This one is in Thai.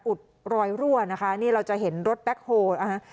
อุดรอยรั่วนะคะนี่เราจะเห็นรถแบ็คโฮลนะคะ